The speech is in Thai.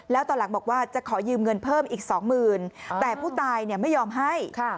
แล้วตอนหลังบอกว่าจะขอยืมเงินเพิ่มอีกสองหมื่นแต่ผู้ตายไม่ยอมให้